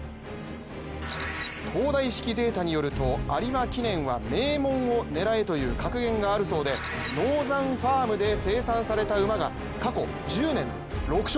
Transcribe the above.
東大式データによると有馬記念は名門を狙えという格言があるそうで、ノーザンファームで生産された馬が過去１０年で６勝。